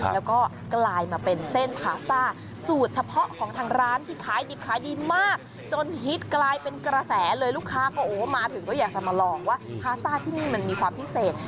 แล้วก็กลายมาเป็นเส้นพาสต้าสูตรเฉพาะของทางร้านที่ขายดิบขายดีมากจนฮิตกลายเป็นกระแสเลยลูกค้าก็โอ้มาถึงก็อยากจะมาลองว่าพาสต้าที่นี่มันมีความพิเศษ